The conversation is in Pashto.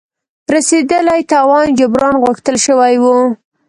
رسېدلي تاوان جبران غوښتل شوی وو.